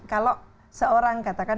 kalau seorang katakan